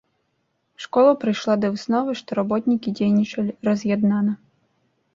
Школа прыйшла да высновы, што работнікі дзейнічалі раз'яднана.